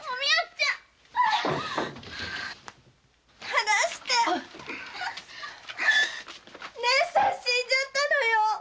離して姉さん死んじゃったのよ。